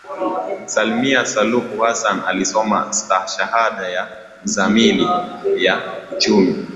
Samia Suluhu Hassan alisoma stashahada ya Uzamili ya Uchumi